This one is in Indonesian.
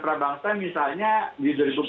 para bangsa misalnya di dua ribu empat belas